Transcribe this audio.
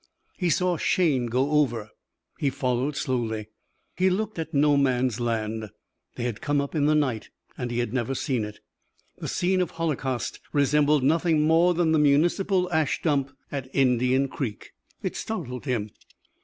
He saw Shayne go over. He followed slowly. He looked at no man's land. They had come up in the night and he had never seen it. The scene of holocaust resembled nothing more than the municipal ash dump at Indian Creek. It startled him.